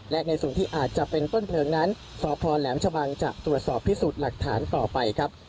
และในส่วนที่อาจจะเป็นต้นเพลิงนั้นสพแหลมชะบังจะตรวจสอบพิสูจน์หลักฐานต่อไปครับ